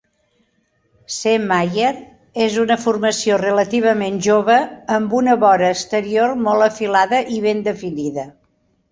C. Mayer és una formació relativament jove, amb una vora exterior molt afilada i ben definida.